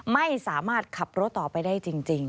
ไม่สามารถขับรถต่อไปได้จริง